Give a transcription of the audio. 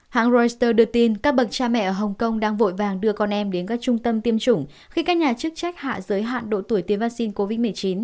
hãng reuters đưa tin các bậc cha mẹ ở hồng kông đang vội vàng đưa con em đến các trung tâm tiêm chủng khi các nhà chức trách hạ giới hạn độ tuổi tiêm vaccine covid một mươi chín